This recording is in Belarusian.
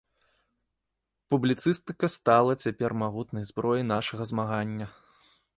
Публіцыстыка стала цяпер магутнай зброяй нашага змагання.